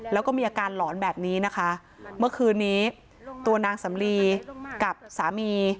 แล้วก็มีอาการหลอนแบบนี้นะคะเมื่อคืนนี้ตัวนางสำลีกับสามี